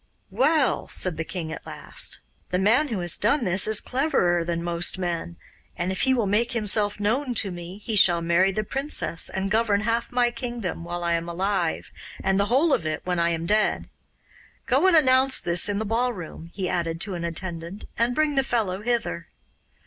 'Well,' said the king at last, 'the man who has done this is cleverer than most men, and if he will make himself known to me he shall marry the princess and govern half my kingdom while I am alive, and the whole of it when I am dead. Go and announce this in the ballroom,' he added to an attendant, 'and bring the fellow hither.